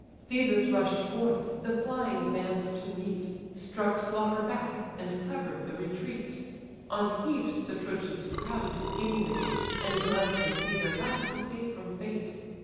Phœbus rush'd forth, the flying bands to meet; Struck slaughter back, and cover'd the retreat, On heaps the Trojans crowd to gain the gate, And gladsome see their last escape from fate.